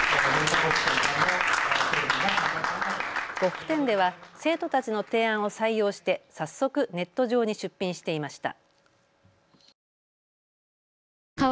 呉服店では生徒たちの提案を採用して早速、ネット上に出品していました。